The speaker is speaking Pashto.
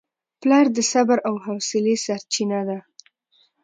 پلار د صبر او حوصلې سرچینه ده.